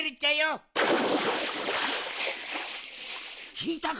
きいたか？